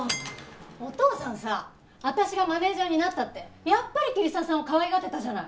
お父さんさ私がマネージャーになったってやっぱり桐沢さんをかわいがってたじゃない。